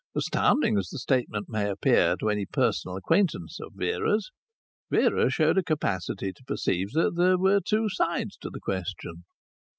Astounding as the statement may appear to any personal acquaintance of Vera's, Vera showed a capacity to perceive that there were two sides to the question.